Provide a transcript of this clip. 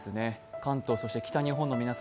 関東、そして北日本の皆様